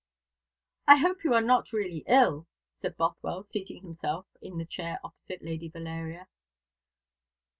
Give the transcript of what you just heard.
"I hope you are not really ill," said Bothwell, seating himself in the chair opposite Lady Valeria.